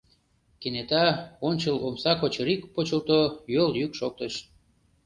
Кенета ончыл омса кочырик почылто, йолйӱк шоктыш.